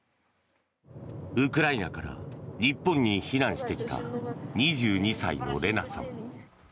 ウクライナから日本に避難してきた２２歳のレナさん。